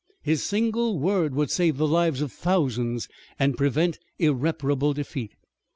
His single word would save the lives of thousands and prevent irreparable defeat!